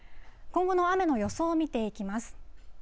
今後の雨の予想を見ていきます。